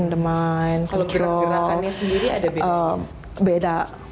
kalau gerak gerakannya sendiri ada bedanya